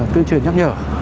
tuyên truyền nhắc nhở